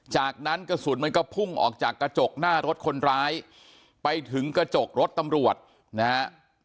จากนั้นกระสุนมันก็พุ่งออกจากกระจกหน้ารถคนร้ายไปถึงกระจกรถตำรวจนะฮะ